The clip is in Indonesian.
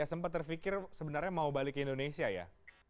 jadi kamu pikir sebenarnya mau balik ke indonesia ya